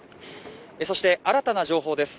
そして新たな情報です。